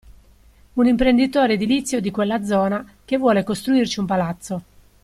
Un imprenditore edilizio di quella zona, che vuole costruirci un palazzo.